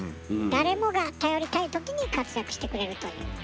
誰もが頼りたい時に活躍してくれるという。